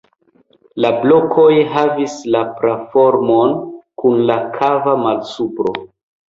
La blokoj havis la pra-formon, kun la kava malsupro.